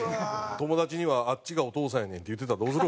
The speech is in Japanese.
友達には「あっちがお父さんやねん」って言ってたらどうする？